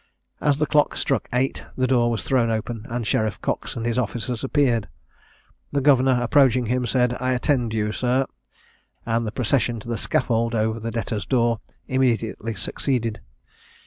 As the clock struck eight, the door was thrown open, and Sheriff Cox and his officers appeared. The governor approaching him, said, "I attend you, sir;" and the procession to the scaffold, over the Debtors' door, immediately succeeded.